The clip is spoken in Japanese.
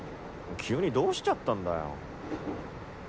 急にどうしちゃったんだよ？